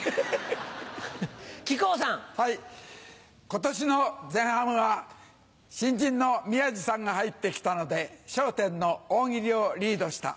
今年の前半は新人の宮治さんが入って来たので『笑点』の大喜利をリードした。